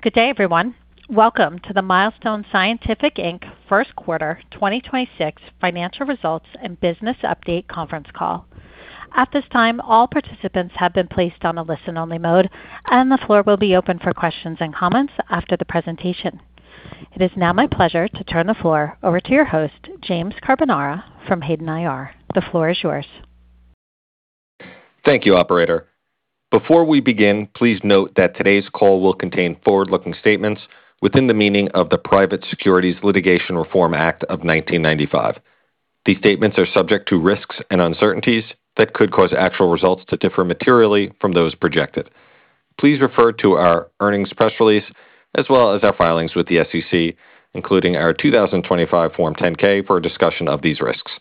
Good day, everyone. Welcome to the Milestone Scientific, Inc first quarter 2026 financial results and business update conference call. At this time, all participants have been placed on a listen-only mode, and the floor will be open for questions and comments after the presentation. It is now my pleasure to turn the floor over to your host, James Carbonara from Hayden IR. The floor is yours. Thank you, operator. Before we begin, please note that today's call will contain forward-looking statements within the meaning of the Private Securities Litigation Reform Act of 1995. These statements are subject to risks and uncertainties that could cause actual results to differ materially from those projected. Please refer to our earnings press release as well as our filings with the SEC, including our 2025 Form 10-K, for a discussion of these risks.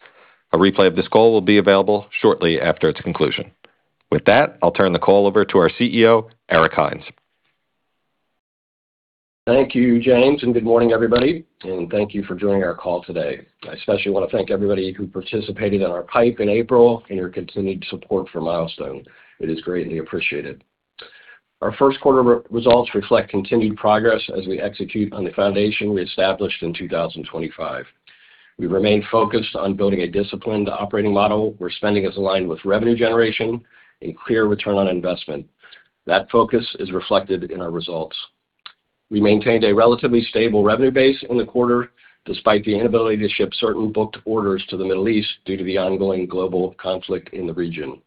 A replay of this call will be available shortly after its conclusion. With that, I'll turn the call over to our CEO, Eric Hines. Thank you, James, good morning, everybody, thank you for joining our call today. I especially want to thank everybody who participated in our PIPE in April and your continued support for Milestone. It is greatly appreciated. Our first quarter results reflect continued progress as we execute on the foundation we established in 2025. We remain focused on building a disciplined operating model where spending is aligned with revenue generation and clear return on investment. That focus is reflected in our results. We maintained a relatively stable revenue base in the quarter despite the inability to ship certain booked orders to the Middle East due to the ongoing global conflict in the region.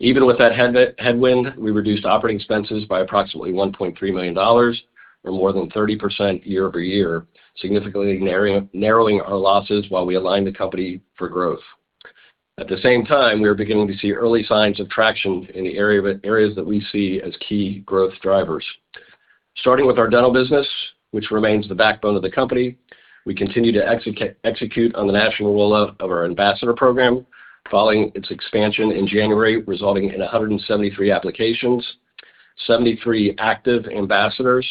Even with that headwind, we reduced operating expenses by approximately $1.3 million or more than 30% year-over-year, significantly narrowing our losses while we align the company for growth. At the same time, we are beginning to see early signs of traction in the areas that we see as key growth drivers. Starting with our dental business, which remains the backbone of the company, we continue to execute on the national rollout of our Ambassador Program following its expansion in January, resulting in 173 applications, 73 active ambassadors,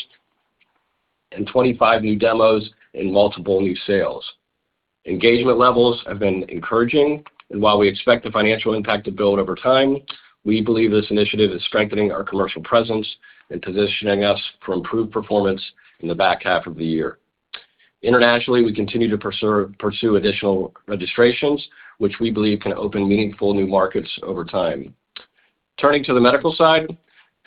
and 25 new demos and multiple new sales. Engagement levels have been encouraging, and while we expect the financial impact to build over time, we believe this initiative is strengthening our commercial presence and positioning us for improved performance in the back half of the year. Internationally, we continue to pursue additional registrations, which we believe can open meaningful new markets over time. Turning to the medical side,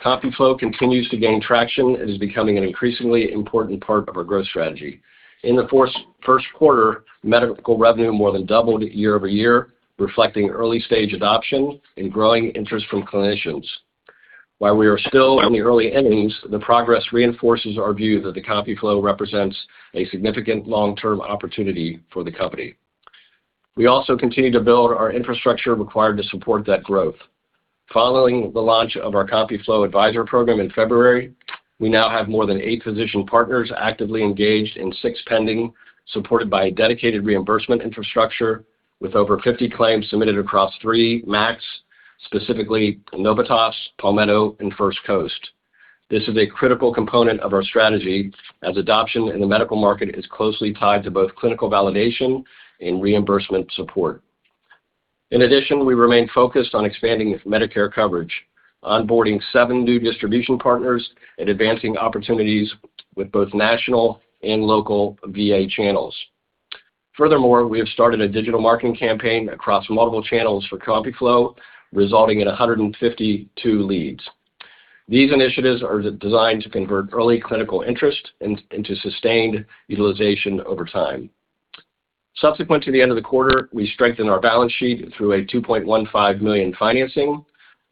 CompuFlo continues to gain traction and is becoming an increasingly important part of our growth strategy. In the first quarter, medical revenue more than doubled year-over-year, reflecting early-stage adoption and growing interest from clinicians. While we are still in the early innings, the progress reinforces our view that the CompuFlo represents a significant long-term opportunity for the company. We also continue to build our infrastructure required to support that growth. Following the launch of our CompuFlo Advisor Program in February, we now have more than eight physician partners actively engaged and six pending, supported by a dedicated reimbursement infrastructure with over 50 claims submitted across three MACs, specifically Novitas, Palmetto, and First Coast. This is a critical component of our strategy as adoption in the medical market is closely tied to both clinical validation and reimbursement support. In addition, we remain focused on expanding Medicare coverage, onboarding seven new distribution partners and advancing opportunities with both national and local VA channels. Furthermore, we have started a digital marketing campaign across multiple channels for CompuFlo, resulting in 152 leads. These initiatives are designed to convert early clinical interest into sustained utilization over time. Subsequent to the end of the quarter, we strengthened our balance sheet through a $2.15 million financing.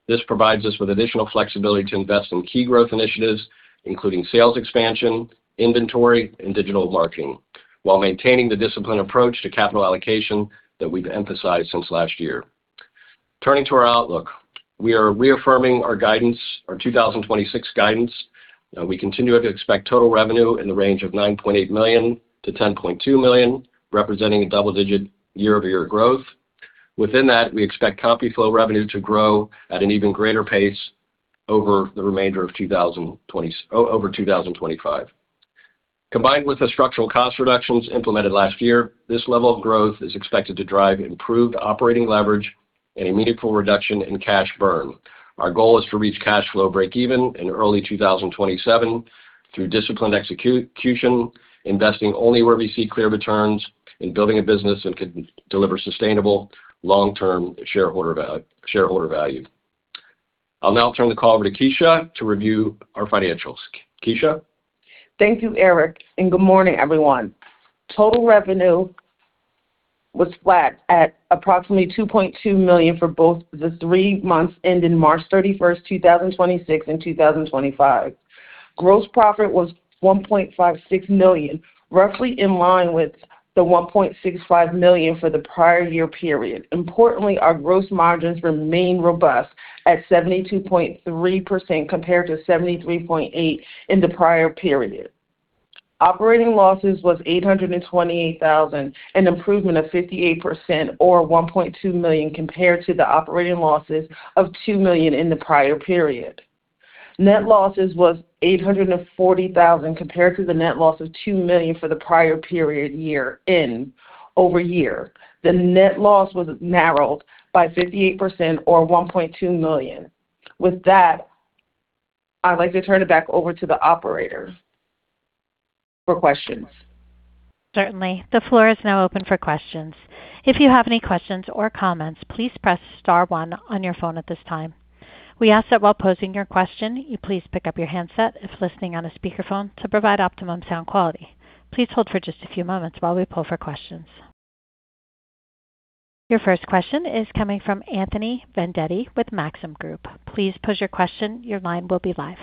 This provides us with additional flexibility to invest in key growth initiatives, including sales expansion, inventory, and digital marketing, while maintaining the disciplined approach to capital allocation that we've emphasized since last year. Turning to our outlook, we are reaffirming our guidance, our 2026 guidance. We continue to expect total revenue in the range of $9.8 million-$10.2 million, representing a double-digit year-over-year growth. Within that, we expect CompuFlo revenue to grow at an even greater pace over the remainder of 2025. Combined with the structural cost reductions implemented last year, this level of growth is expected to drive improved operating leverage and a meaningful reduction in cash burn. Our goal is to reach cash flow breakeven in early 2027 through disciplined execution, investing only where we see clear returns in building a business that can deliver sustainable long-term shareholder value. I'll now turn the call over to Keisha to review our financials. Keisha? Thank you, Eric, good morning, everyone. Total revenue was flat at approximately $2.2 million for both the three months ending March 31st, 2026 and 2025. Gross profit was $1.56 million, roughly in line with the $1.65 million for the prior year period. Importantly, our gross margins remain robust at 72.3% compared to 73.8% in the prior period. Operating losses was $828,000, an improvement of 58% or $1.2 million compared to the operating losses of $2 million in the prior period. Net losses was $840,000 compared to the net loss of $2 million for the prior period year-over-year. The net loss was narrowed by 58% or $1.2 million. With that, I'd like to turn it back over to the operator for questions. Certainly. The floor is now open for questions. If you have any questions or comments, please press star one on your phone at this time. We ask that while posing your question, you please pick up your handset if listening on a speakerphone to provide optimum sound quality. Please hold for just a few moments while we poll for questions. Your first question is coming from Anthony Vendetti with Maxim Group. Please pose your question. Your line will be live.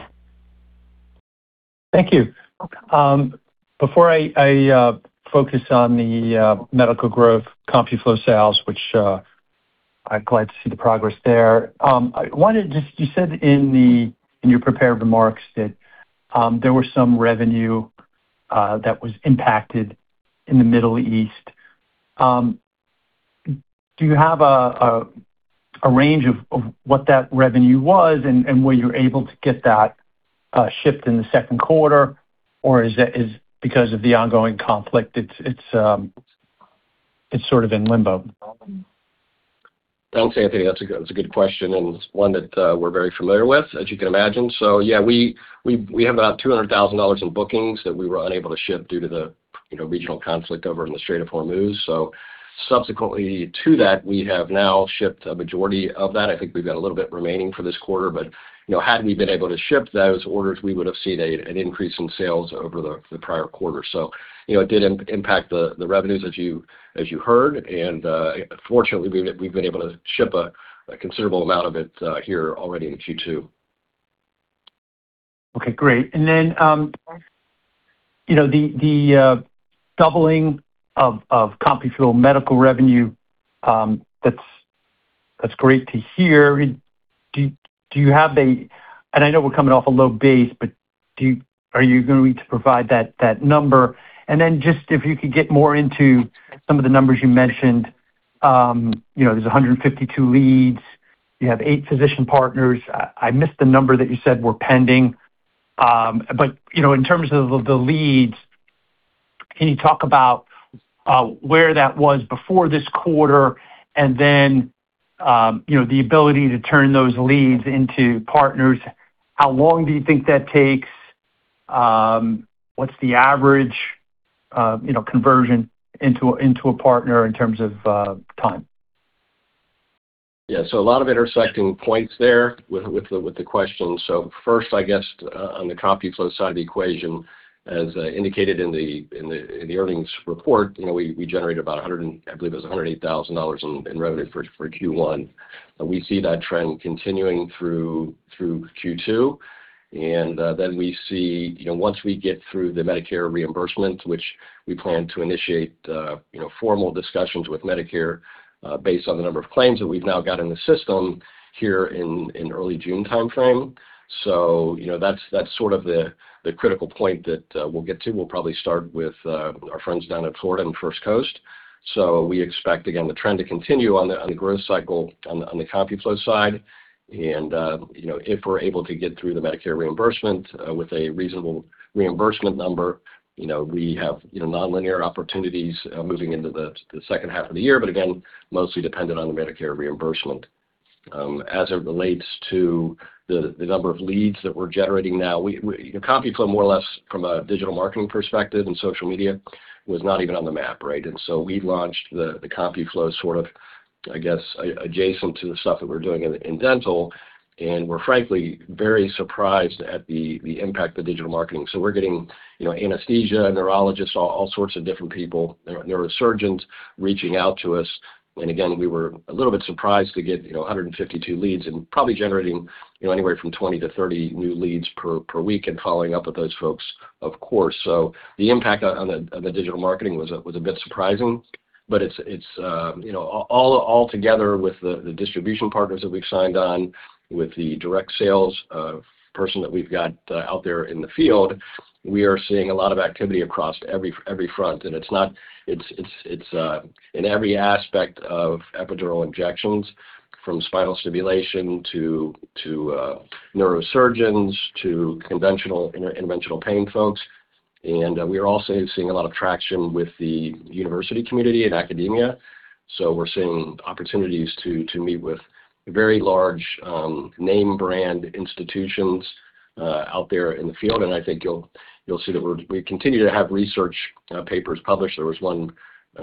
Thank you. Before I focus on the medical growth CompuFlo sales, which I'm glad to see the progress there, you said in your prepared remarks that there were some revenue that was impacted in the Middle East. Do you have a range of what that revenue was and were you able to get that shipped in the second quarter? Or is it because of the ongoing conflict, it's sort of in limbo? Thanks, Anthony. That's a good question, and it's one that we're very familiar with, as you can imagine. Yeah, we have about $200,000 in bookings that we were unable to ship due to the, you know, regional conflict over in the Strait of Hormuz. Subsequently to that, we have now shipped a majority of that. I think we've got a little bit remaining for this quarter, you know, had we been able to ship those orders, we would have seen an increase in sales over the prior quarter. You know, it did impact the revenues as you heard, and fortunately, we've been able to ship a considerable amount of it here already in Q2. Okay, great. You know, the doubling of CompuFlo medical revenue, that's great to hear. Do you have a I know we're coming off a low base, but are you going to be able to provide that number? Then just if you could get more into some of the numbers you mentioned, you know, there's 152 leads. You have eight physician partners. I missed the number that you said were pending. You know, in terms of the leads, can you talk about where that was before this quarter and then, you know, the ability to turn those leads into partners? How long do you think that takes? What's the average, you know, conversion into a partner in terms of time? Yeah. A lot of intersecting points there with the question. First, I guess, on the CompuFlo side of the equation, as indicated in the earnings report, you know, we generated about $108,000 in revenue for Q1. We see that trend continuing through Q2. Then we see, you know, once we get through the Medicare reimbursement, which we plan to initiate, you know, formal discussions with Medicare, based on the number of claims that we've now got in the system here in early June timeframe. That's sort of the critical point that we'll get to. We'll probably start with our friends down in Florida and First Coast. We expect, again, the trend to continue on the CompuFlo side. If we're able to get through the Medicare reimbursement with a reasonable reimbursement number, you know, we have, you know, nonlinear opportunities moving into the second half of the year, but again, mostly dependent on the Medicare reimbursement. As it relates to the number of leads that we're generating now, you know, CompuFlo, more or less from a digital marketing perspective and social media, was not even on the map, right? We launched the CompuFlo sort of, I guess, adjacent to the stuff that we're doing in dental, and we're frankly very surprised at the impact of digital marketing. We're getting, you know, anesthesia, neurologists, all sorts of different people, neurosurgeons reaching out to us. Again, we were a little bit surprised to get, you know, 152 leads and probably generating, you know, anywhere from 20-30 new leads per week and following up with those folks, of course. The impact on the digital marketing was a bit surprising. It's, you know, all together with the distribution partners that we've signed on, with the direct sales person that we've got out there in the field, we are seeing a lot of activity across every front. It's not. It's in every aspect of epidural injections, from spinal stimulation to neurosurgeons to conventional interventional pain folks. We are also seeing a lot of traction with the university community and academia. We're seeing opportunities to meet with very large, name brand institutions out there in the field. I think you'll see that we continue to have research papers published. There was one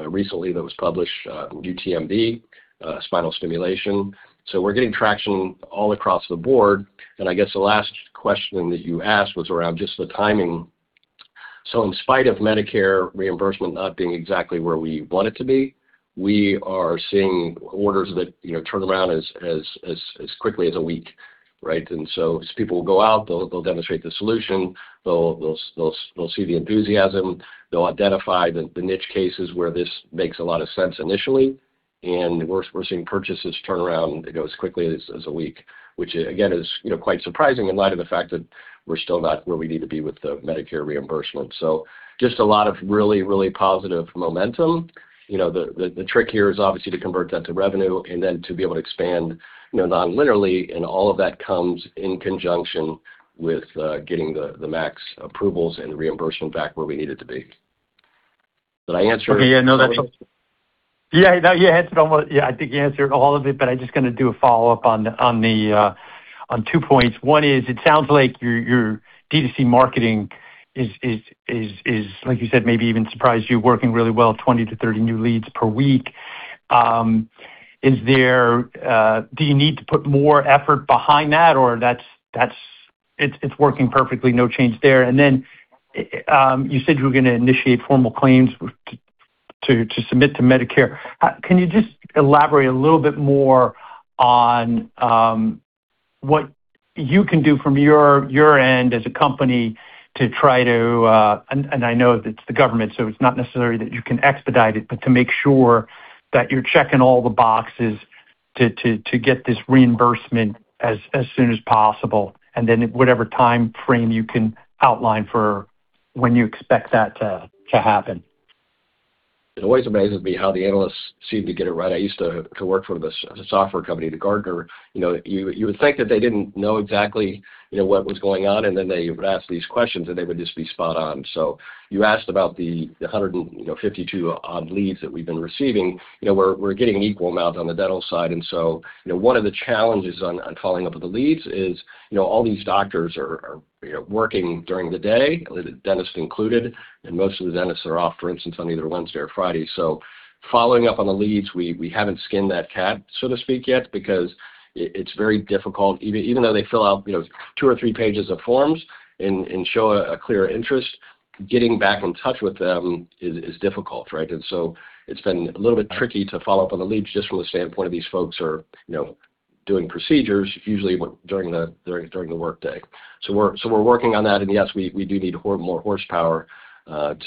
recently that was published, UTMB spinal stimulation. We're getting traction all across the board. I guess the last question that you asked was around just the timing. In spite of Medicare reimbursement not being exactly where we want it to be, we are seeing orders that, you know, turn around as quickly as a week, right? As people go out, they'll demonstrate the solution. They'll see the enthusiasm. They'll identify the niche cases where this makes a lot of sense initially. We're seeing purchases turn around, you know, as quickly as one week, which again is, you know, quite surprising in light of the fact that we're still not where we need to be with the Medicare reimbursement. Just a lot of really positive momentum. You know, the trick here is obviously to convert that to revenue and then to be able to expand, you know, non-linearly, and all of that comes in conjunction with getting the MACs approvals and reimbursement back where we need it to be. Did I answer? Okay, I think you answered all of it. I'm just going to do a follow-up on the two points. One is, it sounds like your D2C marketing is like you said, maybe even surprised you working really well, 20-30 new leads per week. Is there, do you need to put more effort behind that, or that's, it's working perfectly, no change there? Then, you said you were going to initiate formal claims to submit to Medicare. Can you just elaborate a little bit more on what you can do from your end as a company to try to And I know it's the government, so it's not necessarily that you can expedite it, but to make sure that you're checking all the boxes to get this reimbursement as soon as possible, and then whatever timeframe you can outline for when you expect that to happen. It always amazes me how the analysts seem to get it right. I used to work for this, a software company, Gartner. You know, you would think that they didn't know exactly, you know, what was going on, and then they would ask these questions, and they would just be spot on. You asked about the 152 odd leads that we've been receiving. You know, we're getting an equal amount on the dental side, you know, one of the challenges on following up with the leads is, you know, all these doctors are, you know, working during the day, the dentists included, and most of the dentists are off, for instance, on either Wednesday or Friday. Following up on the leads, we haven't skinned that cat, so to speak, yet because it's very difficult. Even though they fill out, you know, two or three pages of forms and show a clear interest, getting back in touch with them is difficult, right? It's been a little bit tricky to follow up on the leads just from the standpoint of these folks are, you know, doing procedures usually during the workday. We're working on that, and yes, we do need more horsepower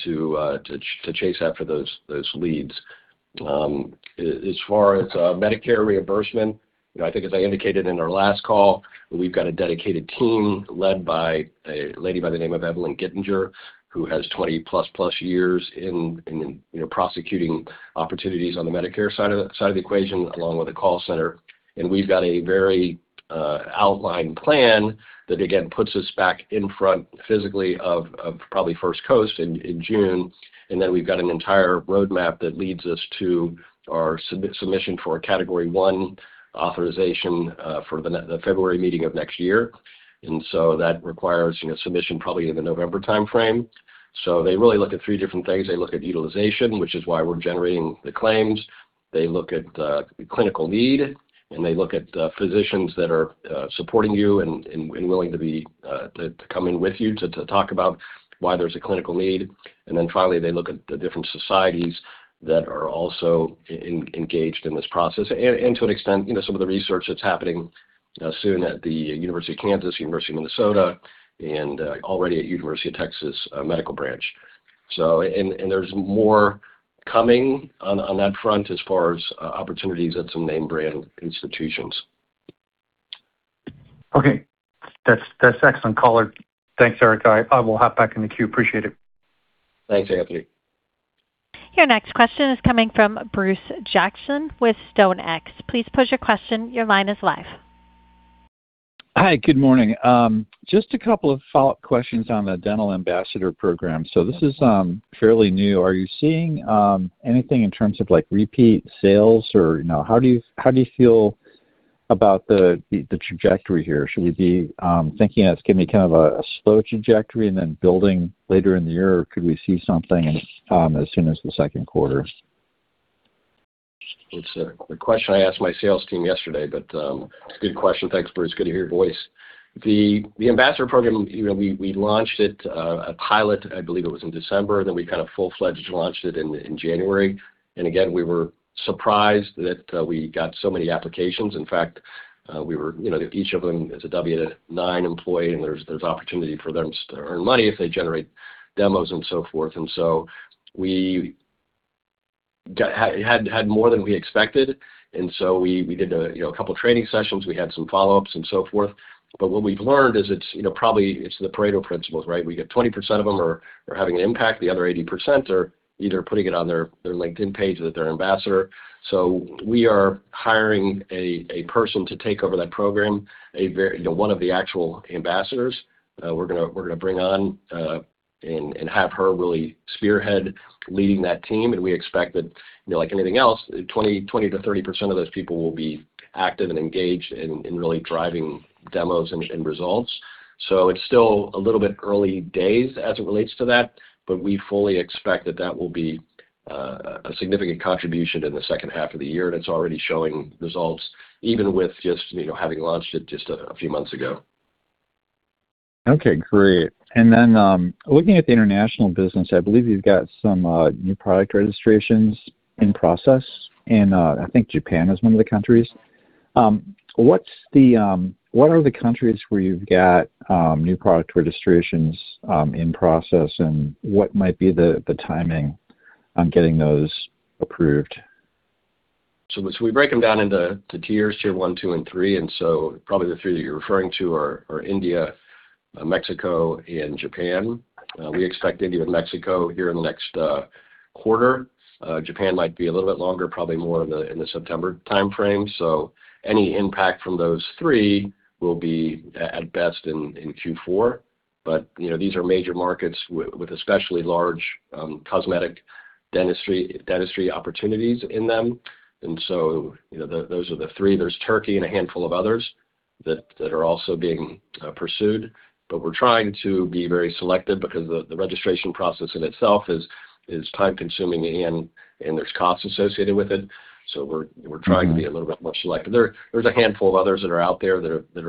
to chase after those leads. As far as Medicare reimbursement, you know, I think as I indicated in our last call, we've got a dedicated team led by a lady by the name of Evelyn Gittinger, who has 20+ years in, you know, prosecuting opportunities on the Medicare side of the equation, along with a call center. We've got a very outlined plan that again puts us back in front physically of First Coast in June. We've got an entire roadmap that leads us to our submission for a Category I authorization for the February meeting of next year. That requires, you know, submission probably in the November timeframe. They really look at three different things. They look at utilization, which is why we're generating the claims. They look at clinical need, and they look at physicians that are supporting you and willing to be to come in with you to talk about why there's a clinical need. Finally, they look at the different societies that are also engaged in this process and, to an extent, you know, some of the research that's happening soon at the University of Kansas, University of Minnesota, and already at University of Texas Medical Branch. And there's more coming on that front as far as opportunities at some name brand institutions. Okay. That's excellent color. Thanks, Eric. I will hop back in the queue. Appreciate it. Thanks, Anthony. Your next question is coming from Bruce Jackson with StoneX. Please pose your question. Your line is live. Hi. Good morning. Just a couple of follow-up questions on the Dental Ambassador program. This is fairly new. Are you seeing anything in terms of like repeat sales or, you know, how do you feel about the trajectory here? Should we be thinking that it's gonna be kind of a slow trajectory and then building later in the year, or could we see something as soon as the second quarter? It's a question I asked my sales team yesterday. It's a good question. Thanks, Bruce. Good to hear your voice. The Ambassador Program, you know, we launched it a pilot, I believe it was in December, then we kind of full-fledged launched it in January. Again, we were surprised that we got so many applications. In fact, you know, each of them is a W-9 employee, and there's opportunity for them to earn money if they generate demos and so forth. We had more than we expected, and so we did a, you know, couple training sessions. We had some follow-ups and so forth. What we've learned is it's, you know, probably it's the Pareto principles, right? We get 20% of them are having an impact. The other 80% are either putting it on their LinkedIn page or their ambassador. We are hiring a person to take over that program. You know, one of the actual ambassadors, we're gonna bring on and have her really spearhead leading that team. We expect that, you know, like anything else, 20%-30% of those people will be active and engaged in really driving demos and results. It's still a little bit early days as it relates to that, but we fully expect that that will be a significant contribution in the second half of the year, and it's already showing results even with just, you know, having launched it just a few months ago. Okay, great. Then, looking at the international business, I believe you've got some new product registrations in process, and I think Japan is one of the countries. What are the countries where you've got new product registrations in process, and what might be the timing on getting those approved? We break them down into tiers, tier one, two, and three. Probably the three that you're referring to are India, Mexico, and Japan. We expect India and Mexico here in the next quarter. Japan might be a little bit longer, probably more in the September timeframe. Any impact from those three will be at best in Q4. You know, these are major markets with especially large cosmetic dentistry opportunities in them. You know, those are the three. There's Turkey and a handful of others that are also being pursued. We're trying to be very selective because the registration process in itself is time-consuming and there's costs associated with it. to be a little bit more selective. There's a handful of others that are out there that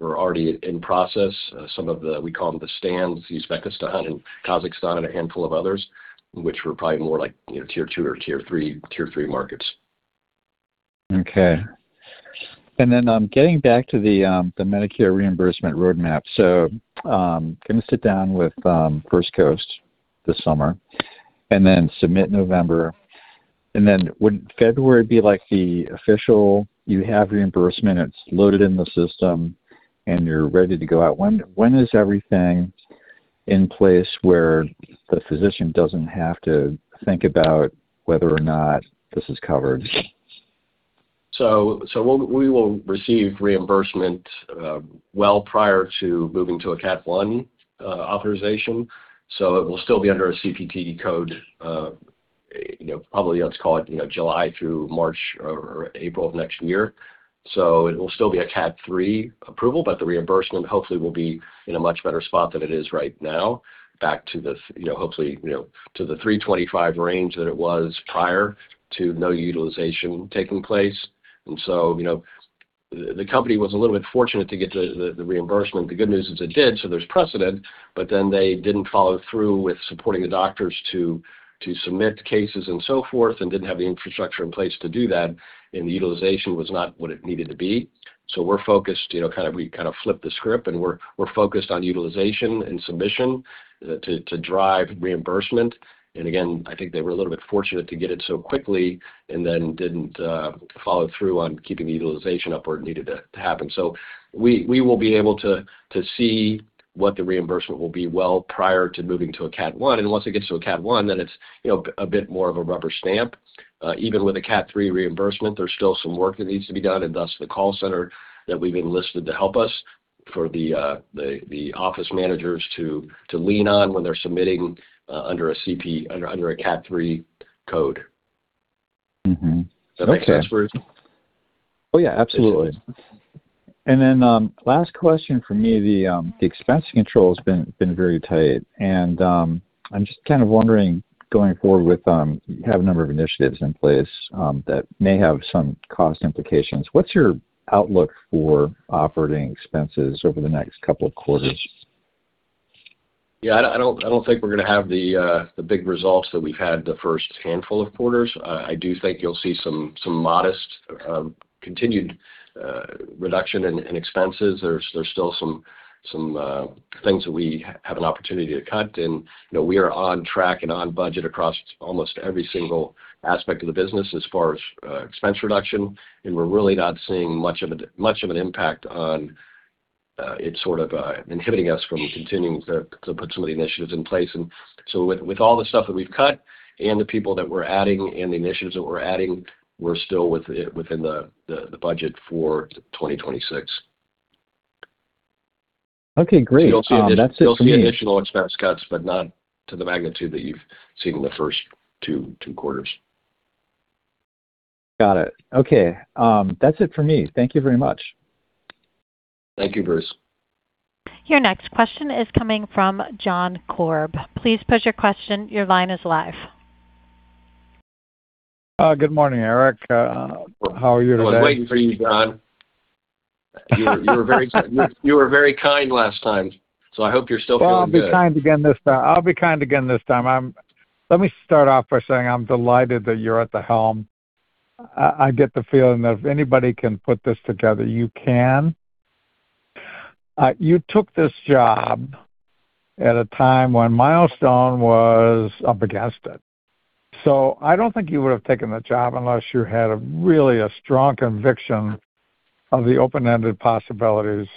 are already in process. Some of the, we call them the Stans, Uzbekistan and Kazakhstan and a handful of others, which were probably more like, you know, tier two or tier three markets. Okay. Getting back to the Medicare reimbursement roadmap. gonna sit down with First Coast this summer, submit November, would February be, like, the official you have reimbursement, it's loaded in the system, and you're ready to go out? When is everything in place where the physician doesn't have to think about whether or not this is covered? We will receive reimbursement, well prior to moving to a Category I authorization, so it will still be under a CPT code, you know, probably let's call it, you know, July through March or April of next year. It will still be a Category III approval, but the reimbursement hopefully will be in a much better spot than it is right now, back to the, you know, hopefully, you know, to the $325 range that it was prior to no utilization taking place. The company was a little bit fortunate to get the reimbursement. The good news is it did, so there's precedent, but then they didn't follow through with supporting the doctors to submit cases and so forth, and didn't have the infrastructure in place to do that, and the utilization was not what it needed to be. We're focused, you know, we kind of flipped the script, and we're focused on utilization and submission to drive reimbursement. Again, I think they were a little bit fortunate to get it so quickly and then didn't follow through on keeping the utilization up where it needed to happen. We will be able to see what the reimbursement will be well prior to moving to a Category I. Once it gets to a Category I, then it's, you know, a bit more of a rubber stamp. Even with a Category III reimbursement, there's still some work that needs to be done, and thus the call center that we've enlisted to help us for the office managers to lean on when they're submitting under a Category III code. Mm-hmm. Okay. Does that answer it? Oh, yeah, absolutely. Last question from me. The expense control has been very tight, and, I'm just kind of wondering going forward with, you have a number of initiatives in place, that may have some cost implications. What's your outlook for operating expenses over the next couple of quarters? I don't think we're going to have the big results that we've had the first handful of quarters. I do think you'll see some modest, continued reduction in expenses. There's still some things that we have an opportunity to cut, you know, we are on track and on budget across almost every single aspect of the business as far as expense reduction. We're really not seeing much of an impact on it sort of inhibiting us from continuing to put some of the initiatives in place. With all the stuff that we've cut and the people that we're adding and the initiatives that we're adding, we're still within the budget for 2026. Okay, great. That's it for me. You'll see additional expense cuts, but not to the magnitude that you've seen in the first two quarters. Got it. Okay. That's it for me. Thank you very much. Thank you, Bruce. Your next question is coming from [John Korb]. Please pose your question. Your line is live. Good morning, Eric. How are you today? I was waiting for you, [John]. You were very kind last time. I hope you're still feeling good. Well, I'll be kind again this time. Let me start off by saying I'm delighted that you're at the helm. I get the feeling that if anybody can put this together, you can. You took this job at a time when Milestone was up against it. I don't think you would have taken the job unless you had a really a strong conviction of the open-ended possibilities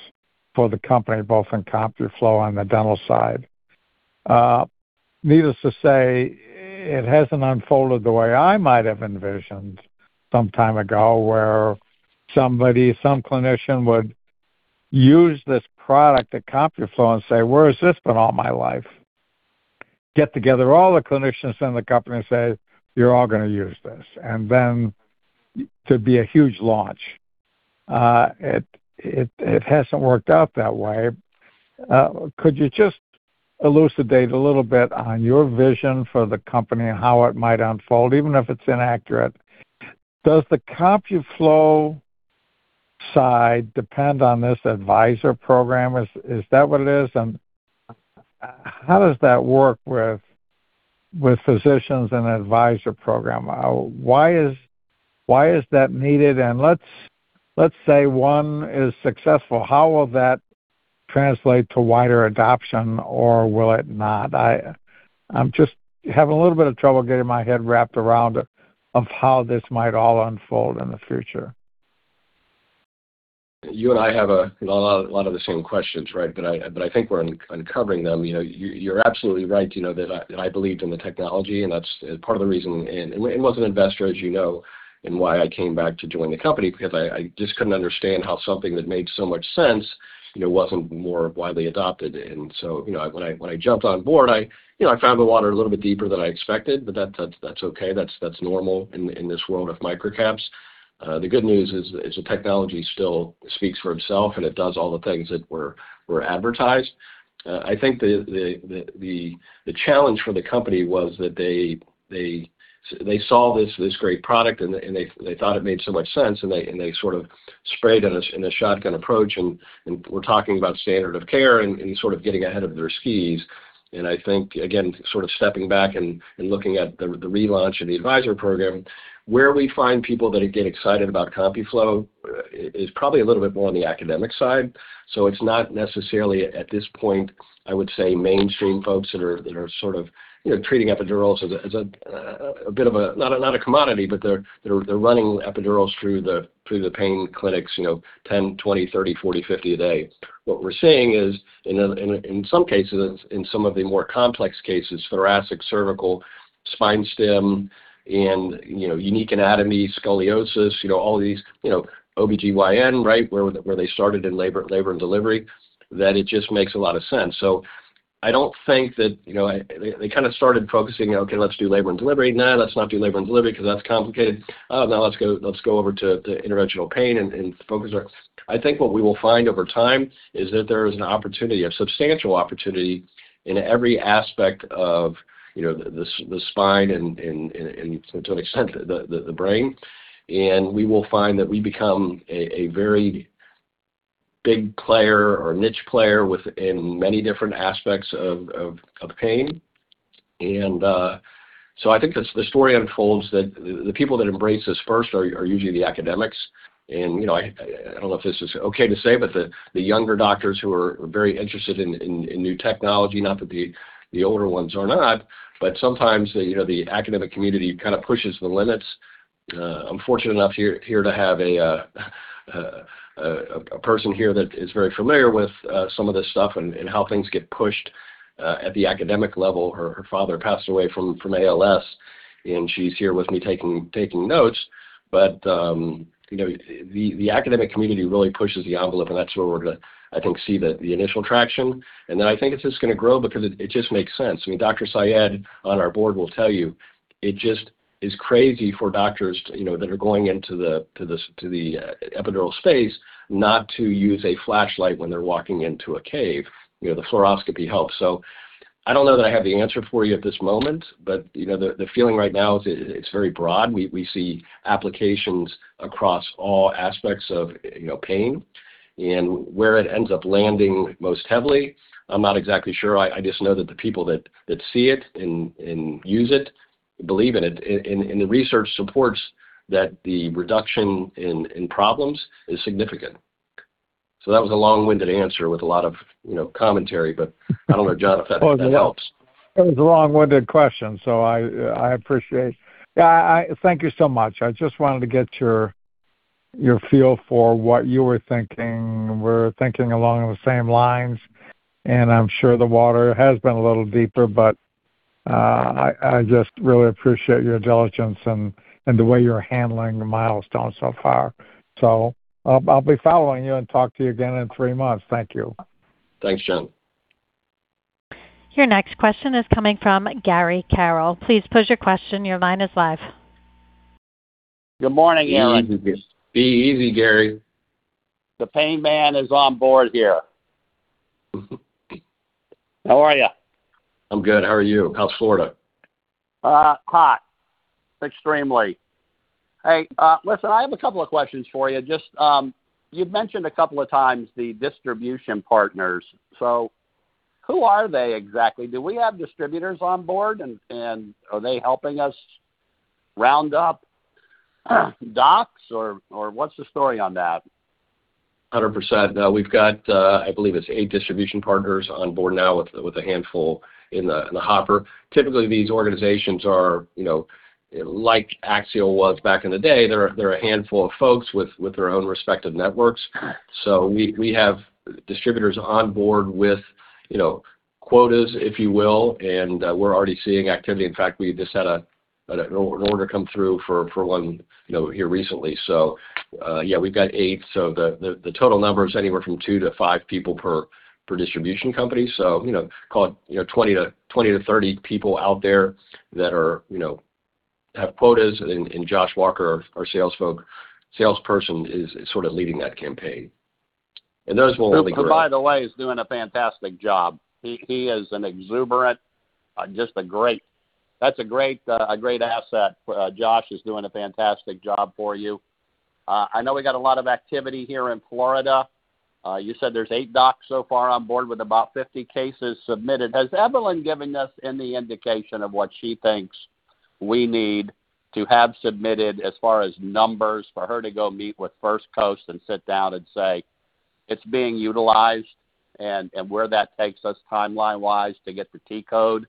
for the company, both in CompuFlo and the dental side. Needless to say, it hasn't unfolded the way I might have envisioned some time ago, where somebody, some clinician would use this product at CompuFlo and say, "Where has this been all my life?" Get together all the clinicians in the company and say, "You're all gonna use this," and then there'd be a huge launch. It hasn't worked out that way. Could you just elucidate a little bit on your vision for the company and how it might unfold, even if it's inaccurate? Does the CompuFlo side depend on this Advisor Program? Is that what it is? How does that work with physicians and Advisor Program? Why is that needed? Let's say one is successful, how will that translate to wider adoption or will it not? I'm just having a little bit of trouble getting my head wrapped around it, of how this might all unfold in the future. You and I have a, you know, a lot of the same questions, right? I think we're uncovering them. You know, you're absolutely right, you know, that I believed in the technology, and that's part of the reason and was an investor, as you know, and why I came back to join the company because I just couldn't understand how something that made so much sense, you know, wasn't more widely adopted. You know, when I jumped on board, I, you know, I found the water a little bit deeper than I expected, but that's okay. That's normal in this world of microcaps. The good news is the technology still speaks for itself, and it does all the things that were advertised. I think the challenge for the company was that they saw this great product and they thought it made so much sense, and they sort of sprayed in a shotgun approach. We're talking about standard of care and sort of getting ahead of their skis. I think, again, sort of stepping back and looking at the relaunch and the Advisor Program, where we find people that get excited about CompuFlo, is probably a little bit more on the academic side. It's not necessarily, at this point, I would say mainstream folks that are sort of, you know, treating epidurals as a bit of a not a commodity, but they're running epidurals through the pain clinics, you know, 10, 20, 30, 40, 50 a day. What we're seeing is in some cases, in some of the more complex cases, thoracic, cervical, spine stim, and, you know, unique anatomy, scoliosis, you know, all these You know, OBGYN, right? Where they started in labor and delivery, that it just makes a lot of sense. I don't think that, you know They kinda started focusing, you know, Okay, let's do labor and delivery. Nah, let's not do labor and delivery because that's complicated. Now let's go over to interventional pain. I think what we will find over time is that there is an opportunity, a substantial opportunity in every aspect of the spine and to an extent the brain. We will find that we become a very big player or niche player within many different aspects of pain. I think the story unfolds that the people that embrace this first are usually the academics. I don't know if this is okay to say, but the younger doctors who are very interested in new technology, not that the older ones are not. Sometimes the academic community kind of pushes the limits. I'm fortunate enough to have a person here that is very familiar with some of this stuff and how things get pushed at the academic level. Her father passed away from ALS, and she's here with me taking notes. You know, the academic community really pushes the envelope, and that's where we're gonna, I think, see the initial traction. I think it's just gonna grow because it just makes sense. I mean, Dr. Sayed on our board will tell you, it just is crazy for doctors, you know, that are going into the epidural space not to use a flashlight when they're walking into a cave. You know, the fluoroscopy helps. I don't know that I have the answer for you at this moment, but you know, the feeling right now is it's very broad. We see applications across all aspects of, you know, pain. Where it ends up landing most heavily, I'm not exactly sure. I just know that the people that see it and use it believe in it. The research supports that the reduction in problems is significant. That was a long-winded answer with a lot of, you know, commentary, but I don't know, [John], if that helps. It was a long-winded question, so I appreciate. Yeah, I, thank you so much. I just wanted to get your feel for what you were thinking. We're thinking along the same lines, and I'm sure the water has been a little deeper, but, I just really appreciate your diligence and the way you're handling the Milestone so far. I'll be following you and talk to you again in three months. Thank you. Thanks, [John]. Your next question is coming from [Gary Carroll]. Please pose your question. Your line is live. Good morning, Eric. Be easy, [Gary]. The pain man is on board here. How are ya? I'm good. How are you? How's Florida? Hot. Extremely. Hey, listen, I have a couple of questions for you. Just, you've mentioned a couple of times the distribution partners. Who are they exactly? Do we have distributors on board and are they helping us round up docs or what's the story on that? 100%. We've got, I believe it's eight distribution partners on board now with a handful in the hopper. Typically, these organizations are, you know, like Axial was back in the day. They're a handful of folks with their own respective networks. We have distributors on board with, you know, quotas, if you will, and we're already seeing activity. In fact, we just had an order come through for one, you know, here recently. Yeah, we've got eight. The total number is anywhere from two to five people per distribution company. You know, call it, you know, 20-30 people out there that are, you know, have quotas and Josh Walker, our salesperson is sort of leading that campaign. Those will only grow. [Who] by the way, is doing a fantastic job. He is an exuberant, a great asset. Josh is doing a fantastic job for you. I know we got a lot of activity here in Florida. You said there's eight docs so far on board with about 50 cases submitted. Has Evelyn given us any indication of what she thinks we need to have submitted as far as numbers for her to go meet with First Coast and sit down and say it's being utilized and where that takes us timeline-wise to get CPT code,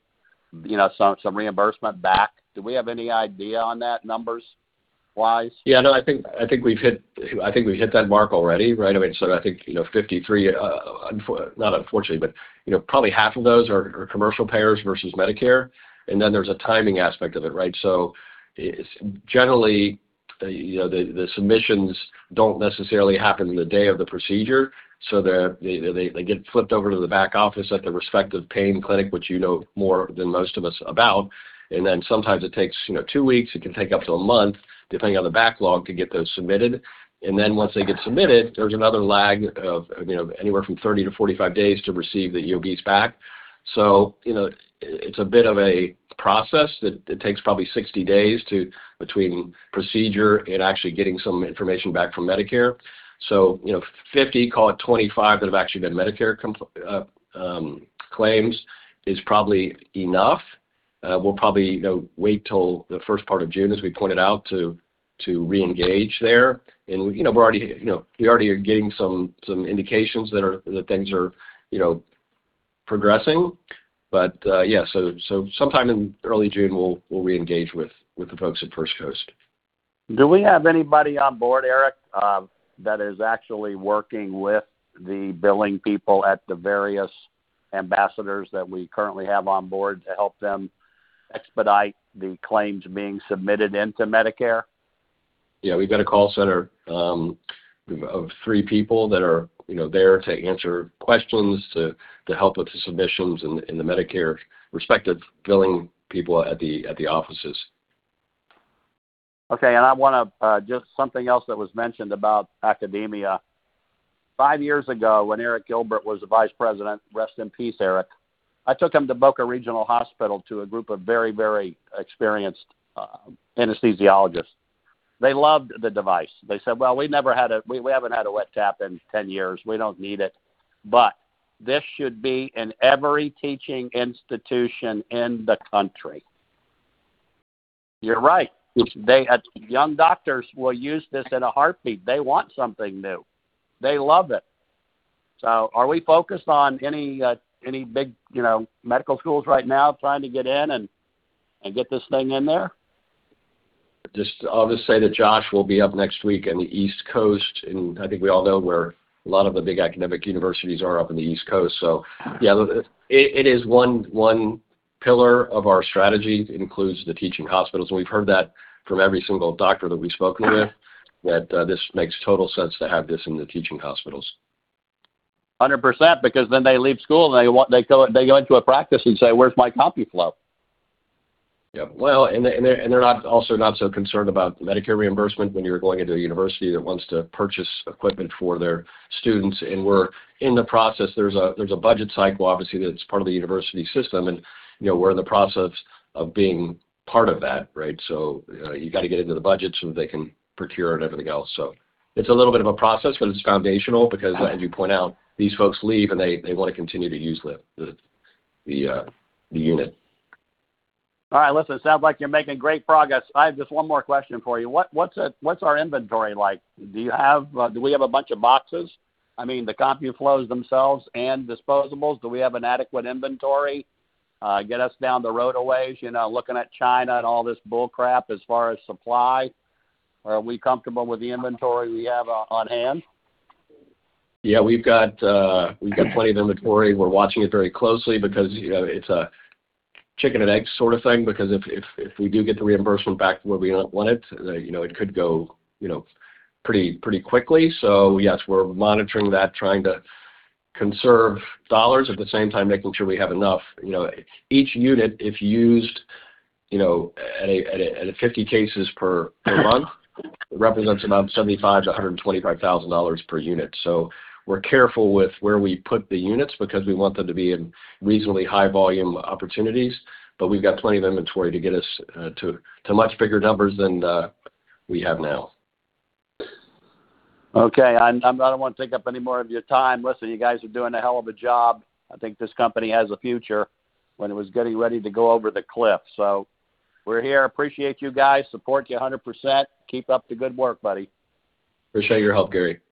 you know, some reimbursement back. Do we have any idea on that numbers-wise? Yeah. No, I think we've hit that mark already, right? I mean, I think, you know, 53, not unfortunately, but, you know, probably half of those are commercial payers versus Medicare, and then there's a timing aspect of it, right? It's generally, you know, the submissions don't necessarily happen the day of the procedure, they get flipped over to the back office at the respective pain clinic, which you know more than most of us about. Sometimes it takes, you know, two weeks, it can take up to a month, depending on the backlog, to get those submitted. Once they get submitted, there's another lag of, you know, anywhere from 30-45 days to receive the EOBs back. You know, it's a bit of a process that it takes probably 60 days to between procedure and actually getting some information back from Medicare. You know, 50, call it 25 that have actually been Medicare claims is probably enough. We'll probably, you know, wait till the first part of June, as we pointed out, to reengage there. You know, we're already, you know, we already are getting some indications that things are, you know, progressing. Sometime in early June, we'll reengage with the folks at First Coast. Do we have anybody on board, Eric, that is actually working with the billing people at the various ambassadors that we currently have on board to help them expedite the claims being submitted into Medicare? Yeah. We've got a call center, of three people that are, you know, there to answer questions to help with the submissions in the Medicare respective billing people at the offices. Okay. I want to just something else that was mentioned about academia. Five years ago, when Eric Gilbert was the vice president, rest in peace, Eric, I took him to Boca Raton Regional Hospital to a group of very, very experienced anesthesiologists. They loved the device. They said, "Well, we never had a wet tap in 10 years. We don't need it. This should be in every teaching institution in the country." You're right. Young doctors will use this in a heartbeat. They want something new. They love it. Are we focused on any, you know, medical schools right now trying to get in and get this thing in there? Just I'll just say that Josh will be up next week in the East Coast, and I think we all know where a lot of the big academic universities are up in the East Coast. Yeah, it is one pillar of our strategy includes the teaching hospitals. We've heard that from every single doctor that we've spoken with, that, this makes total sense to have this in the teaching hospitals. 100%, because then they leave school and they go into a practice and say, "Where's my CompuFlo?" Yeah. Well, they're not also not so concerned about Medicare reimbursement when you're going into a university that wants to purchase equipment for their students and we're in the process. There's a budget cycle obviously that's part of the university system and, you know, we're in the process of being part of that, right? You gotta get into the budget so that they can procure it and everything else. It's a little bit of a process, but it's foundational because as you point out, these folks leave, and they wanna continue to use the unit. All right. Listen, sounds like you're making great progress. I have just one more question for you. What's our inventory like? Do we have a bunch of boxes? I mean, the CompuFlo themselves and disposables, do we have an adequate inventory, get us down the road a ways, you know, looking at China and all this bull crap as far as supply? Are we comfortable with the inventory we have on hand? Yeah. We've got plenty of inventory. We're watching it very closely because, you know, it's a chicken and egg sort of thing because if we do get the reimbursement back where we want it, you know, it could go, you know, pretty quickly. Yes, we're monitoring that, trying to conserve dollars. At the same time, making sure we have enough. You know, each unit, if used, you know, at a 50 cases per month, represents about $75,000-$125,000 per unit. We're careful with where we put the units because we want them to be in reasonably high volume opportunities. We've got plenty of inventory to get us to much bigger numbers than we have now. Okay. I don't wanna take up any more of your time. Listen, you guys are doing a hell of a job. I think this company has a future when it was getting ready to go over the cliff. We're here. Appreciate you guys. Support you 100%. Keep up the good work, buddy. Appreciate your help, [Gary].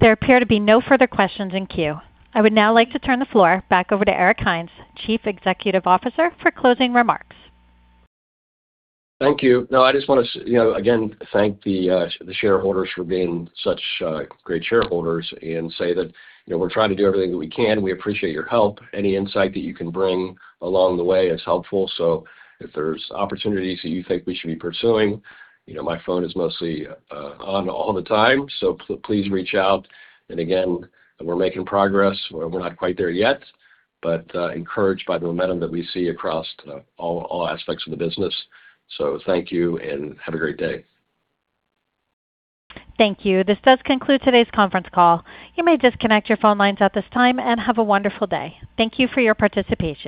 There appear to be no further questions in queue. I would now like to turn the floor back over to Eric Hines, Chief Executive Officer, for closing remarks. Thank you. No, I just wanna you know, again, thank the shareholders for being such great shareholders and say that, you know, we're trying to do everything that we can. We appreciate your help. Any insight that you can bring along the way is helpful. If there's opportunities that you think we should be pursuing, you know, my phone is mostly on all the time, so please reach out. Again, we're making progress. We're not quite there yet, but encouraged by the momentum that we see across all aspects of the business. Thank you, and have a great day. Thank you. This does conclude today's conference call. You may disconnect your phone lines at this time, and have a wonderful day. Thank you for your participation.